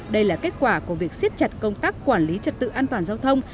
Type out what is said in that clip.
đây là kết quả của việc siết chặt công tác quản lý trật tự an toàn giao thông